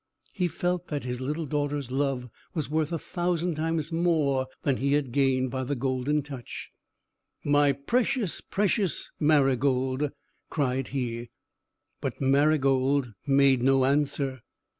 He felt that his little daughter's love was worth a thousand times more than he had gained by the Golden Touch. "My precious, precious Marygold!" cried he. But Marygold made no answer.